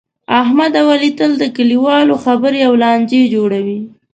احمد اوعلي تل د کلیوالو خبرې او لانجې جوړوي.